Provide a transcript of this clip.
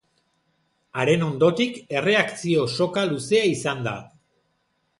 Haren ondotik, erreakzio soka luzea izan da.